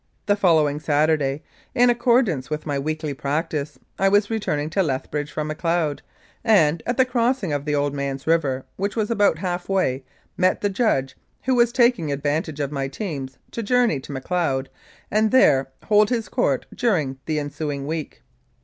The following Saturday, in accordance with my weekly practice, I was returning to Lethbridge from Macleod, and at the crossing of the Old Man's River, which was about half way, met the judge, who was taking ad vantage of my teams to journey to Macleod and there hold his court during the ensuing week.